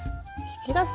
引き出す！